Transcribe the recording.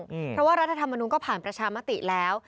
เพราะว่ารัฐธรรมนุนก็ผ่านประชามติแล้ว